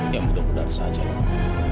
ya mudah mudahan saja lah